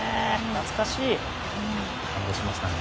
懐かしい。